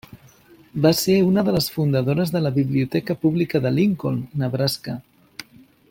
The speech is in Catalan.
Va ser una de les fundadores de la biblioteca pública de Lincoln, Nebraska.